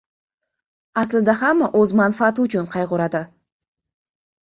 Aslida hamma o‘z manfaati uchun qayg‘uradi...